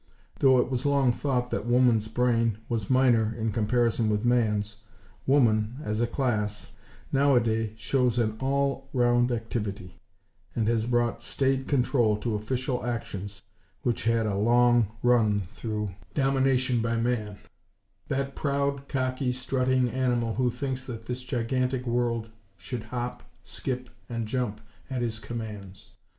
Though it was long thought that woman's brain was minor in comparison with man's, woman, as a class, now a day shows an all round activity; and has brought staid control to official actions which had had a long run through domination by man; that proud, cocky, strutting animal who thinks that this gigantic world should hop, skip and jump at his commands.